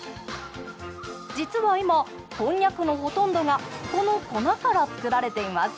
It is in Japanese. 実は今こんにゃくのほとんどがこの粉から作られています。